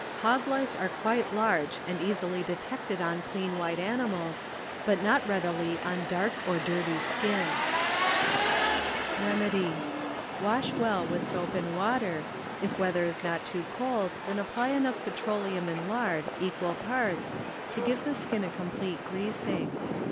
Hog lice are quite large and easily detected on clean white animals, but not readily on dark or dirty skins. Remedy. ŌĆö Wash well with Ō¢Ā soap and water, if weather is not too cold, then warm water, if weather is not too cold, then apply enough petroleum and lard, equal parts, to give the skin a complete greasing.